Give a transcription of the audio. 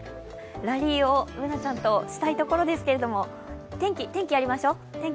ラリーを、Ｂｏｏｎａちゃんとしたいところですけれども天気やりましょう。